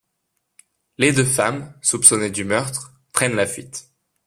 Les deux femmes, soupçonnées du meurtre, prennent la fuite.